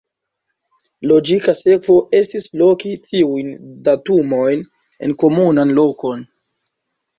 Logika sekvo estis loki tiujn datumojn en komunan lokon.